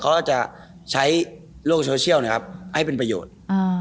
เขาก็จะใช้โลกโซเชียลนะครับให้เป็นประโยชน์